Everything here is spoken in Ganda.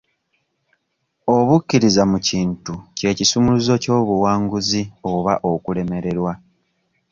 Obukkiriza mu kintu kye kisumuluzo ky'obuwanguzi oba okulemererwa.